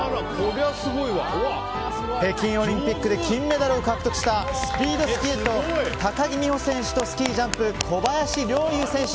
北京オリンピックで金メダルを獲得したスピードスケート高木美帆選手とスキージャンプ、小林陵侑選手。